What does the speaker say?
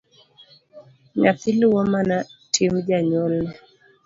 Nyathi luwo mana tim janyuolne.